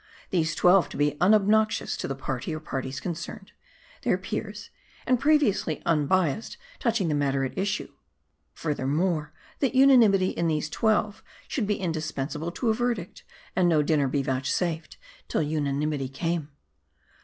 These twelve to be unobnoxious to the party or parties concerned ; their peers ; and previously unbiased touching the matter at issue. Furthermore, that unanimity in these twelve should be indispensable to a verdict ; and no dinner be vouchsafed till unanimity came.